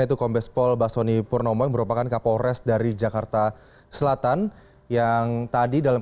yaitu kombes pol basoni purnomo yang merupakan kapolres dari jakarta selatan yang tadi dalam